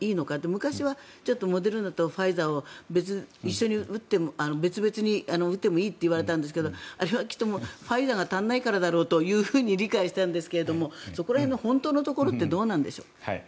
昔はモデルナとファイザーを別々に打ってもいいと言われたんですけどあれはきっとファイザーが足りないからだろうと理解したんですがそこら辺の本当のところってどうなんでしょう。